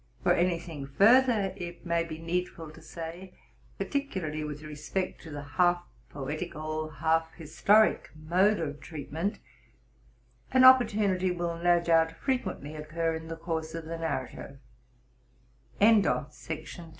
For any thing further it may be needful to say, particularly with respect to the half poetical, half historic, mode of treat ment, an opportunity will, no doubt, frequently occur in the course of the narrative.